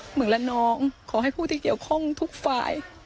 เมืองละนองขอให้ผู้ที่เกี่ยวข้องทุกฝ่าย